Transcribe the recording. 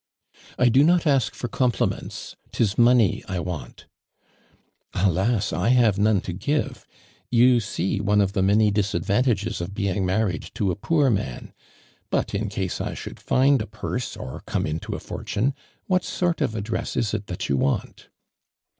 '' I do not ask for compliments. ' Tis mo ney 1 want I" " Alas! I have none to give. You see on« of tho many dii^adTantages of being married to a poor man ; but, in case 1 should find 54 ARMAND DURAI.D. u purse, or come into a fortune, what sort of a dress is it that you want